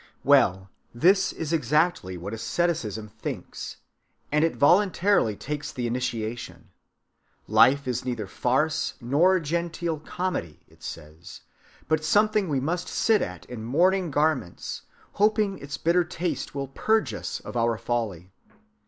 Well, this is exactly what asceticism thinks; and it voluntarily takes the initiation. Life is neither farce nor genteel comedy, it says, but something we must sit at in mourning garments, hoping its bitter taste will purge us of our folly.